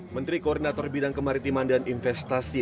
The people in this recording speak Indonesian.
menteri koordinator bidang kemaritiman dan investasi